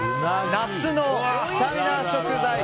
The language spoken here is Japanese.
夏のスタミナ食材！